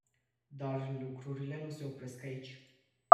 Dar lucrurile nu se opresc aici.